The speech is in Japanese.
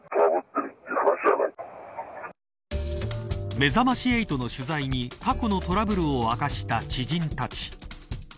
めざまし８の取材に過去のトラブルを明かした知人たち。